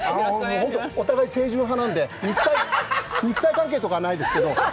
お互い清純派なんで、肉体関係とかはないですけど。